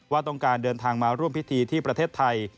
ว่าต้องการเดินทางมาร่วมพิธีที่ประเทศไทย